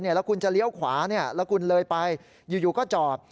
แล้วคุณจะเลี้ยวขวาแล้วคุณเลยไปอยู่ก็จอด